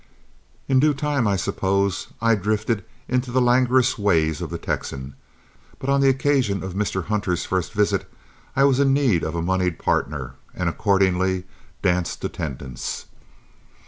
In due time I suppose I drifted into the languorous ways of the Texan; but on the occasion of Mr. Hunter's first visit I was in the need of a moneyed partner, and accordingly danced attendance.